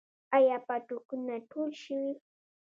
آیا پاټکونه ټول شوي؟